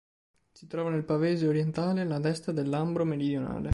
Si trova nel Pavese orientale, alla destra del Lambro meridionale.